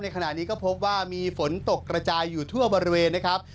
ขณะนี้ก็พบว่ามีฝนตกกระจายอยู่ทั่วบริเวณนะครับ